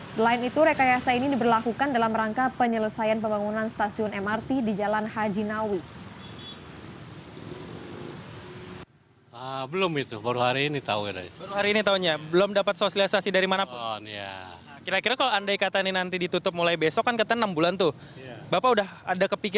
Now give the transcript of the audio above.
selain itu rekayasa ini diberlakukan dalam rangka penyelesaian pembangunan stasiun mrt di jalan haji nawi